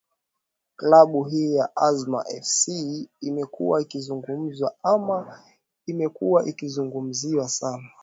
klabu hii ya azam fc imekuwa ikizungumzwa ama imekuwa ikizungumziwa sana